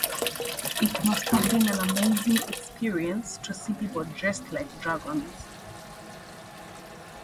It must have been an amazing experience to see people dressed like dragons!